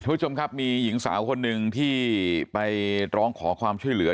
ผู้ชมครับมีหญิงสาวคนหนึ่งที่ไปร้องขอความช่วยเหลือ